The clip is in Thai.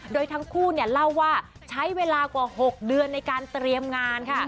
โดยทั้งคู่เล่าว่าใช้เวลากว่า๖เดือนในการเตรียมงานค่ะ